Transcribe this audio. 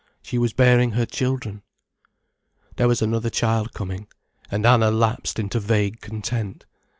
She was bearing her children. There was another child coming, and Anna lapsed into vague content.